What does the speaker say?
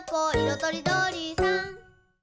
とりどりさん」